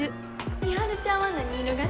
美晴ちゃんは何色が好き？